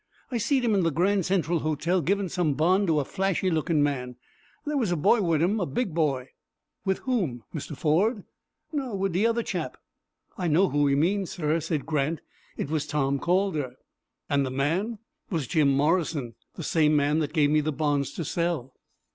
"I seed him in the Grand Central Hotel, givin' some bond to a flashy lookin' man. There was a boy wid him, a big boy." "With whom Mr. Ford?" "No, wid the other chap." "I know who he means, sir," said Grant. "It was Tom Calder." "And the man?" "Was Jim Morrison, the same man that gave me the bonds to sell."